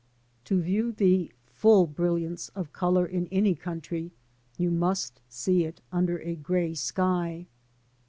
To view the full brilliance of colour in any country, you must see it under a grey sky.